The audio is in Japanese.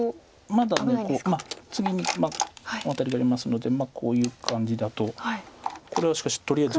まあ次にワタリがありますのでこういう感じだとこれはしかしとりあえず。